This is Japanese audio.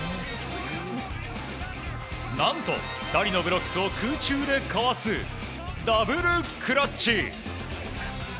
何と、２人のブロックを空中でかわすダブルクラッチ。